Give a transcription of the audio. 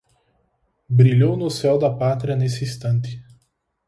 Brilhou no céu da Pátria nesse instante